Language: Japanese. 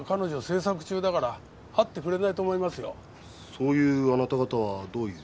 そういうあなた方はどういう？